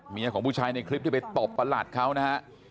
ของผู้ชายในคลิปที่ไปตบประหลัดเขานะฮะ